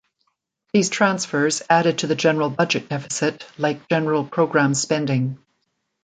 These transfers added to the general budget deficit like general program spending.